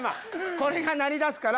これが鳴りだすから。